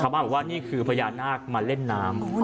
ว่านี่คือพญานากมาเล่นน้ำ